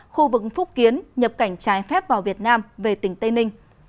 khu vực phúc kiến nhập cảnh trái phép vào việt nam về tỉnh tây ninh